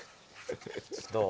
どう？